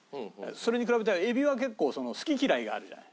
それに比べたらエビは結構好き嫌いがあるじゃない？